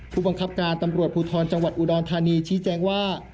ผู้บังคับการตำรวจภูทรจังหวัดอุดรธานีชี้แจงว่า